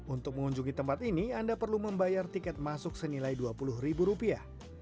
untuk mengunjungi tempat ini anda perlu membayar tiket masuk senilai dua puluh ribu rupiah